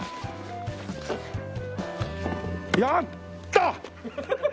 やった！